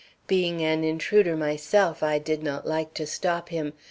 Being an intruder myself, I did not like to stop him.